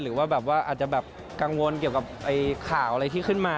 หรือว่าแบบว่าอาจจะแบบกังวลเกี่ยวกับข่าวอะไรที่ขึ้นมา